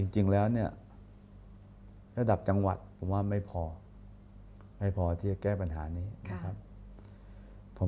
จริงแล้วเนี่ยระดับจังหวัดผมว่าไม่พอไม่พอที่จะแก้ปัญหานี้นะครับ